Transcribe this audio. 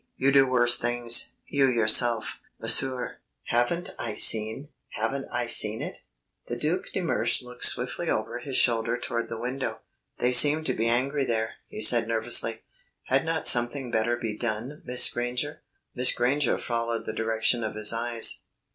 You do worse things; you, yourself, monsieur. Haven't I seen ... haven't I seen it?" The Duc de Mersch looked swiftly over his shoulder toward the window. "They seem to be angry there," he said nervously. "Had not something better be done, Miss Granger?" Miss Granger followed the direction of his eyes.